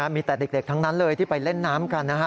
มีแต่เด็กทั้งนั้นเลยที่ไปเล่นน้ำกันนะฮะ